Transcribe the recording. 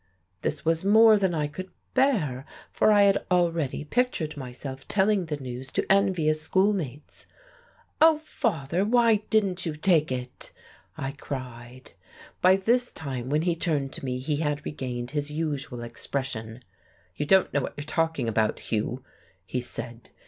This was more than I could bear, for I had already pictured myself telling the news to envious schoolmates. "Oh, father, why didn't you take it?" I cried. By this time, when he turned to me, he had regained his usual expression. "You don't know what you're talking about, Hugh," he said.